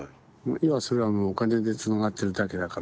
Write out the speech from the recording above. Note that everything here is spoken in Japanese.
今はそれはもうお金でつながってるだけだから。